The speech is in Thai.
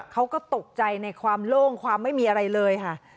เขาก็ตกใจในความโล่งความไม่มีอะไรเลยค่ะ